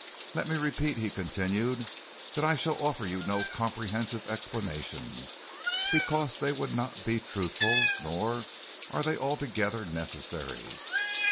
"Let me repeat," he continued, "that I shall offer you no comprehensive explanations, because they would not be truthful, nor are they altogether necessary.